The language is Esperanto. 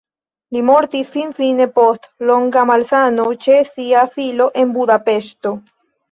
Li mortis finfine post longa malsano ĉe sia filo en Budapeŝto.